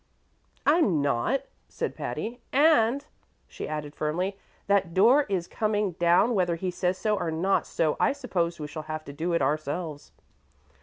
"I'm not," said Patty; "and," she added firmly, "that door is coming down whether he says so or not, so I suppose we shall have to do it ourselves."